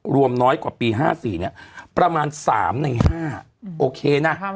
รวมน้อยกว่าปีห้าสี่เนี่ยประมาณสามในห้าโอเคน่ะ